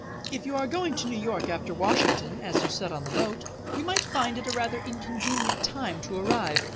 If you are going to New York after Washington, as you said on the boat, we might find it a rather inconvenient time to arrive.